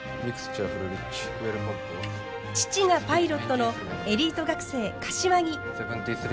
父がパイロットのエリート学生柏木。